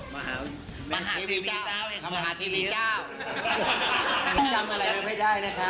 มาหาทีวีเจ้า